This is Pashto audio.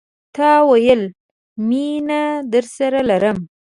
تا ويل، میینه درسره لرم